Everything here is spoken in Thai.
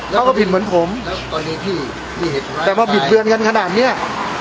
เราก็ผิดเหมือนผมแต่พอบิดเบือนกันขนาดเนี้ย